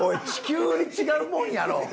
急に違うもんやろ！